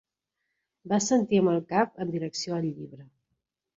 Va assentir amb el cap en direcció al llibre.